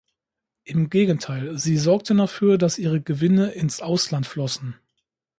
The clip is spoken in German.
Im Gegenteil, sie sorgten dafür, dass ihre Gewinne ins Ausland flossen.